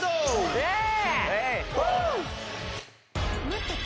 イエーイ！